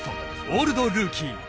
「オールドルーキー」